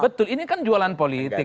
betul ini kan jualan politik